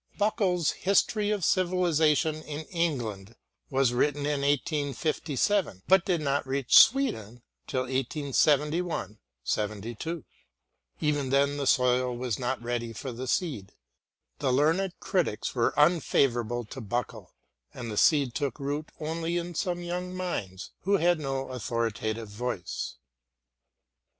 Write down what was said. Buckle's History of Civilisation in England was written in 1857, but did not reach Sweden till 1871 72. Even then the soil was not ready for the seed. The learned critics were unfavourable to Buckle, and the seed took root only in some young minds who had no authoritative voice.